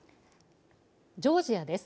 ジョージアです。